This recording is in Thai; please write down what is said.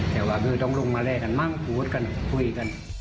แต่ว่าต้องลงมาแลกกันมั้งพูดกันคุยกัน